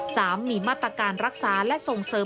สามมีมาตรการรักษาและส่งเสริม